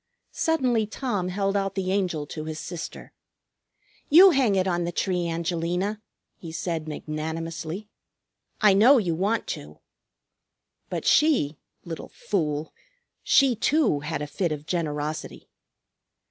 Suddenly Tom held out the Angel to his sister. "You hang it on the tree, Angelina," he said magnanimously. "I know you want to." But she little fool! she too had a fit of generosity.